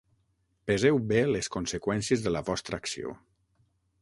Peseu bé les conseqüències de la vostra acció.